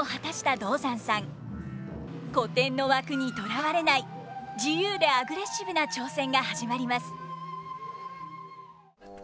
古典の枠にとらわれない自由でアグレッシブな挑戦が始まります。